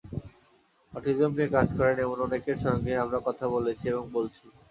Autism নিয়ে কাজ করেন—এমন অনেকের সঙ্গে আমরা কথা বলেছি এবং বলছি।